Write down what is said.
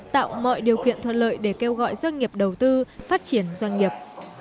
tạo mọi điều kiện thuận lợi để kêu gọi doanh nghiệp đầu tư phát triển doanh nghiệp